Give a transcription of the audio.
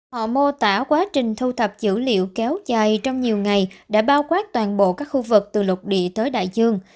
họ mô tả quá trình thu thập dữ liệu kéo dài trong nhiều ngày đã bao quát toàn bộ các khu vực từ lục địa tới đại dương